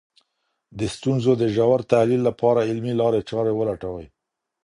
د ستونزو د ژور تحلیل لپاره علمي لاري چارې ولټوئ.